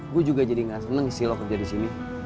gue juga jadi gak seneng sih lo kerja di sini